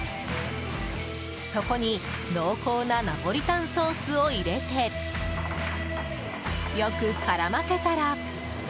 そこに、濃厚なナポリタンソースを入れてよく絡ませたら。